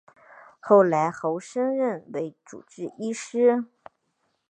后来侯升任为主治医师。